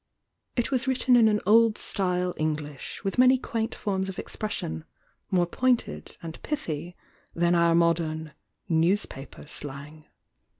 It was written in old style English with many quaint forms of ex pression, more pointed and pithy than our modem "newspaper slang."